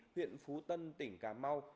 huyện phú tân tỉnh cà mau